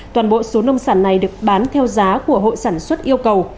toàn bộ số nông sản này được bán theo giá của hội sản xuất yêu cầu